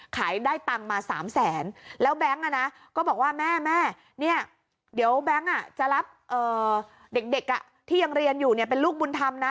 ได้ตังค์มา๓แสนแล้วแบงค์ก็บอกว่าแม่แม่เนี่ยเดี๋ยวแบงค์จะรับเด็กที่ยังเรียนอยู่เป็นลูกบุญธรรมนะ